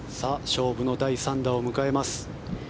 勝負の第３打を迎えます。